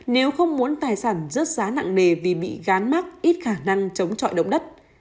nếu không muốn tài sản rớt giá nặng nề vì bị gán mắc ít khả năng chống trọi động đất